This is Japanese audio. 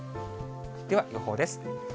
では、予報です。